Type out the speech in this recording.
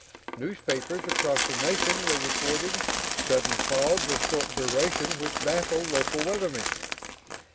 Newspapers across the nation were reporting sudden fogs of short duration which baffled local weathermen.